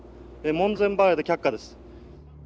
門前払いで却下です。